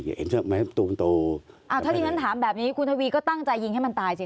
ถ้าจริงต่างถามแบบนี้คุณทวีก็ตั้งใจยิงให้มันตายสิคะ